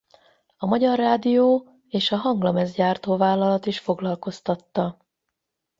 A Magyar Rádió és a Hanglemezgyártó Vállalat is foglalkoztatta.